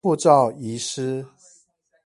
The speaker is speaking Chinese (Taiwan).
護照遺失